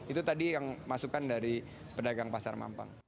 itu tadi yang masukan dari pedagang pasar mampang